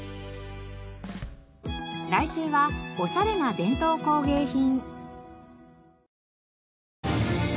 来週はおしゃれな伝統工芸品。